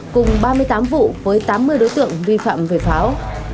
cùng ba mươi tám vụ với tám mươi đối tượng vi phạm về pháo